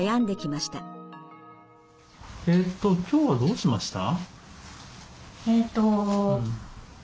えっと今日はどうしました？